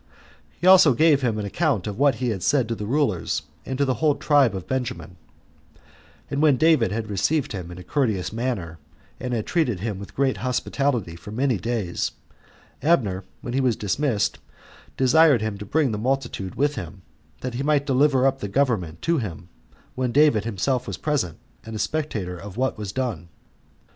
He also gave him an account of what he had said to the rulers, and to the whole tribe of Benjamin; and when David had received him in a courteous manner, and had treated him with great hospitality for many days, Abner, when he was dismissed, desired him to bring the multitude with him, that he might deliver up the government to him, when David himself was present, and a spectator of what was done.